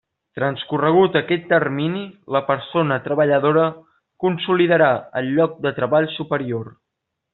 Transcorregut aquest termini, la persona treballadora consolidarà el lloc de treball superior.